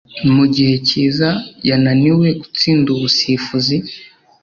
mugihe Kiza yananiwe gutsinda ubusifuzi